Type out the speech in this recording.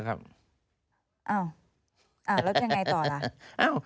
แล้วยังไงต่อล่ะ